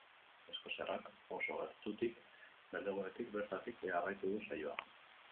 Eskoziarrak oso gertutik, berdegunetik bertatik, jarraitu du saioa.